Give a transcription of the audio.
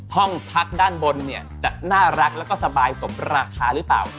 ห้องพักด้านบนเนี่ยจะน่ารักแล้วก็สบายสมราคาหรือเปล่า